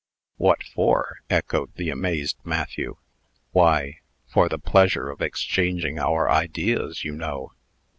"What for?" echoed the amazed Matthew. "Why for the pleasure of exchanging our ideas, you know."